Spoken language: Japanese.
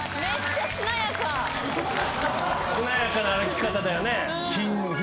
しなやかな歩き方だよね。